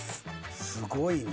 すごいね。